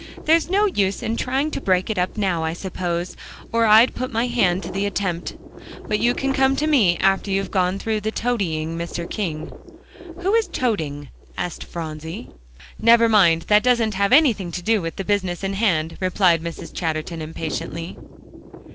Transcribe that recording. There's no use in trying to break it up now, I suppose, or I'd put my hand to the attempt. But you can come to me after you've got through toadying Mr. King." "What is toding?" asked Phronsie. "Never mind; that hasn't anything to do with the business in hand," replied Mrs. Chatterton impatiently.